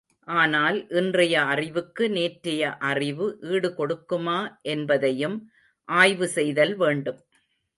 ஆனால் இன்றைய அறிவுக்கு, நேற்றைய அறிவு ஈடுகொடுக்குமா என்பதையும் ஆய்வு செய்தல் வேண்டும்.